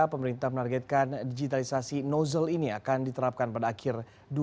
pemerintah menargetkan digitalisasi nozzle ini akan diterapkan pada akhir dua ribu dua puluh